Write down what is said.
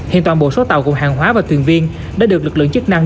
hiện toàn bộ số tàu gồm hàng hóa và thuyền viên đã được lực lượng chức năng